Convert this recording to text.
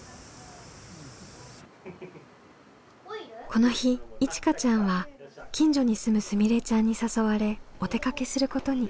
この日いちかちゃんは近所に住むすみれちゃんに誘われお出かけすることに。